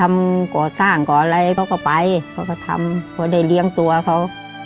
ก่อสร้างก่ออะไรเขาก็ไปเขาก็ทำเพราะได้เลี้ยงตัวเขา